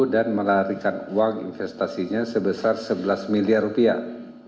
dan melarikan uang investasinya sebesar sebelas miliar rupiah